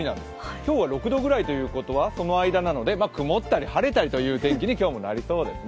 今日は６度くらいということはその間なので曇ったり晴れたりという天気に今日もなりそうなんですね。